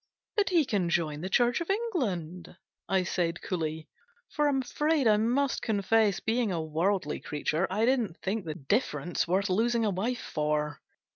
" But he can join the Church of England," I said, coolly ; for I'm afraid I must confess, being a worldly creature, 1 didn't think the difference worth losing a wife for.